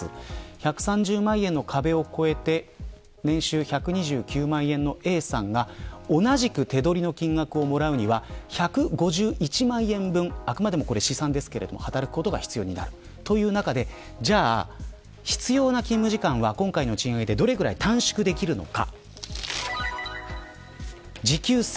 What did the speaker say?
１３０万円の壁を越えて年収１２９万円のＡさんが同じく手取りの金額をもらうには１５１万円分あくまでも試算ですが働くことが必要になる中でじゃあ必要な勤務時間は今回の賃上げでどれぐらい短縮できるのか。